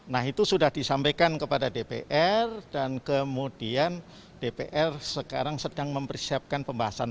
nah itu sudah disampaikan kepada dpr dan kemudian dpr sekarang sedang mempersiapkan pembahasan